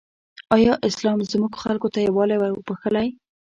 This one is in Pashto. ایا اسلام زموږ خلکو ته یووالی وروباخښلی؟